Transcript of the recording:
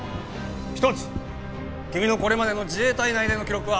一つ君のこれまでの自衛隊内での記録は